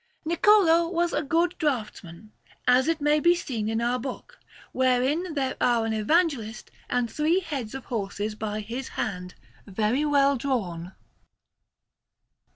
Niccolò was a good draughtsman, as it may be seen in our book, wherein there are an Evangelist and three heads of horses by his hand, very well drawn.